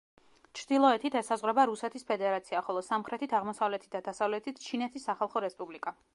ჩრდილოეთით ესაზღვრება რუსეთის ფედერაცია, ხოლო სამხრეთით, აღმოსავლეთით და დასავლეთით ჩინეთის სახალხო რესპუბლიკა.